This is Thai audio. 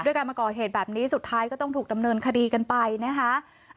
การมาก่อเหตุแบบนี้สุดท้ายก็ต้องถูกดำเนินคดีกันไปนะคะ